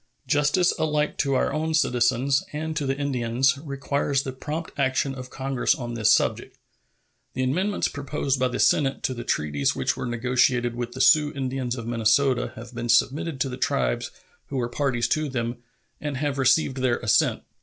Justice alike to our own citizens and to the Indians requires the prompt action of Congress on this subject. The amendments proposed by the Senate to the treaties which were negotiated with the Sioux Indians of Minnesota have been submitted to the tribes who were parties to them, and have received their assent.